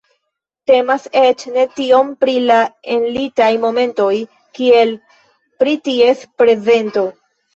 Temas eĉ ne tiom pri la enlitaj momentoj, kiel pri ties prezento.